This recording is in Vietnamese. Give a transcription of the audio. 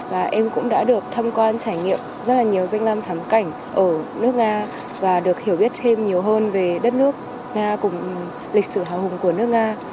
và em cũng đã được tham quan trải nghiệm rất là nhiều danh lam thắng cảnh ở nước nga và được hiểu biết thêm nhiều hơn về đất nước nga cùng lịch sử hào hùng của nước nga